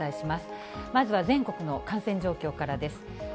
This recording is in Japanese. まずは全国の感染状況からです。